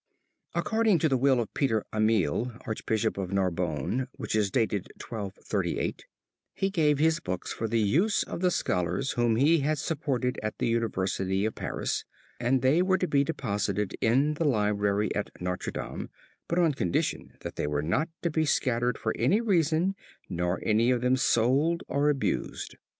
According to the will of Peter Ameil, Archbishop of Narbonne, which is dated 1238, he gave his books for the use of the scholars whom he had supported at the University of Paris and they were to be deposited in the Library at Notre Dame, but on condition that they were not to be scattered for any reason nor any of them sold or abused.